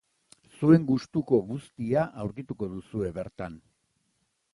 Zuen gustuko guztia aurkituko duzue bertan.